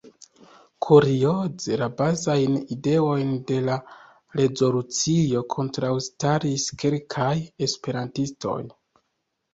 Kurioze, la bazajn ideojn de la rezolucio kontraŭstaris kelkaj esperantistoj.